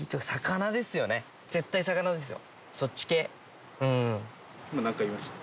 絶対魚ですよ。